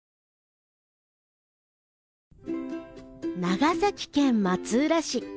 長崎県松浦市